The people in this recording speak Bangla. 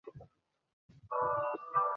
বাচ্চা ছেলের গলা ছেলেটা তাঁর নাম ধরে ডাকত।